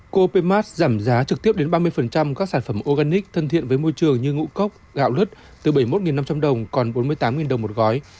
copmat giảm giá trực tiếp đến ba mươi các sản phẩm organic thân thiện với môi trường như ngũ cốc gạo lứt từ bảy mươi một năm trăm linh đồng còn bốn mươi tám đồng một gói